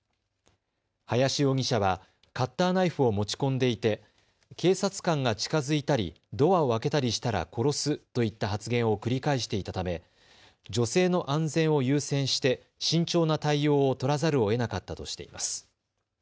林容疑者はカッターナイフを持ち込んでいて警察官が近づいたり、ドアを開けたりしたら殺すといった発言を繰り返していたため女性の安全を優先して慎重な対応を取らざるをえなかったとしています。